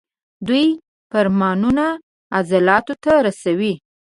دوی فرمانونه عضلاتو ته رسوي.